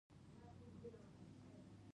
د انارو دانې ولې چاودیږي؟